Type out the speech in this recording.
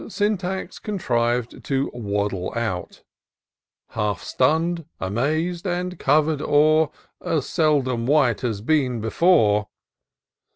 Syntax contriv'd to waddle out, Half stunn'd, amaz'd, and cover'd o'er As seldom wight had been before.